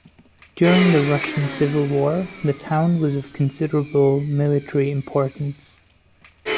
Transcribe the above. During the Russian Civil War, the town was of considerable military importance.